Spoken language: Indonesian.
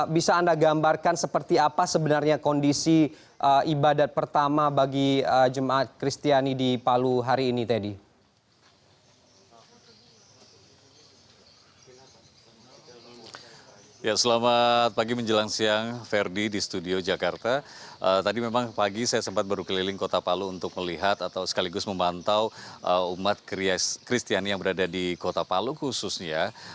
bisa anda gambarkan seperti apa sebenarnya kondisi ibadat pertama bagi jemaat kristiani di palu hari ini teddy